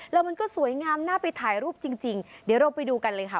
แล้วมันก็สวยงามน่าไปถ่ายรูปจริงเดี๋ยวเราไปดูกันเลยค่ะ